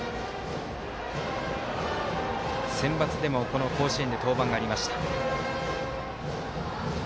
センバツでも甲子園で登板がありました。